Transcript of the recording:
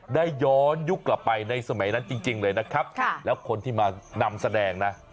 ได้ย้อนยุคกลับไปในสมัยนั้นจริงเลยนะครับแล้วคนที่มานำแสดงนะ